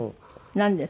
なんです？